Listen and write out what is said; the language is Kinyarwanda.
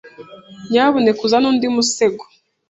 Nyamuneka uzane undi musego?